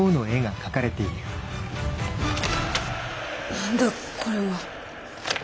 何だこれは！